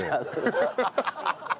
ハハハハ！